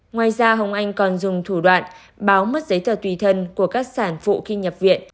ngoài ra hồng anh còn dùng thủ đoạn báo mất giấy tờ tùy thân của các sản phụ khi nhập viện